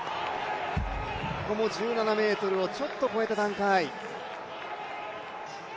１７ｍをちょっと越えた段階。